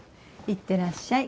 行ってらっしゃい。